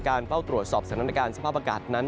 เฝ้าตรวจสอบสถานการณ์สภาพอากาศนั้น